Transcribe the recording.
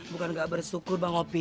bukan gak bersyukur bang opi